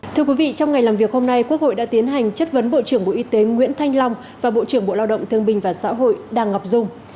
thưa quý vị trong ngày làm việc hôm nay quốc hội đã tiến hành chất vấn bộ trưởng bộ y tế nguyễn thanh long và bộ trưởng bộ lao động thương bình và xã hội đàng ngọc dung